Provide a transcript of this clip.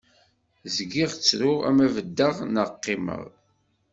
Zgiɣ ttruɣ, ama beddeɣ naɣ qimmeɣ.